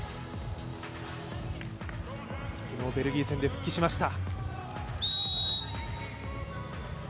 昨日のベルギー戦で復帰しました。